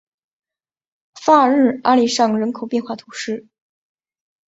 法尔日阿利尚人口变化图示